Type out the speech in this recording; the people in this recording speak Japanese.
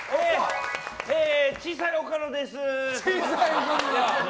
小さい岡野です。